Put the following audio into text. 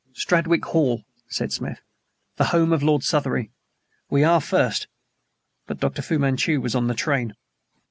"Stradwick Hall," said Smith. "The home of Lord Southery. We are first but Dr. Fu Manchu was on the train."